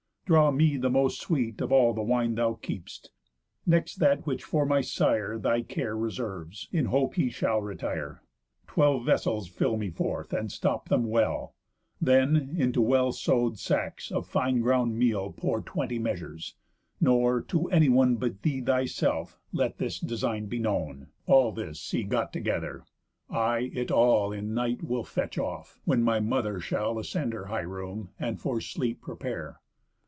Draw me the most sweet of all The wine thou keep'st; next that which for my sire Thy care reserves, in hope he shall retire. Twelve vessels fill me forth, and stop them well. Then into well sew'd sacks of fine ground meal Pour twenty measures. Nor, to anyone But thee thyself, let this design be known. All this see got together; I it all In night will fetch off, when my mother shall Ascend her high room, and for sleep prepare.